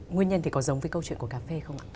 nguyên nhân thì có giống với câu chuyện của cà phê không ạ